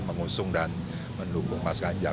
mengusung dan mendukung mas ganjar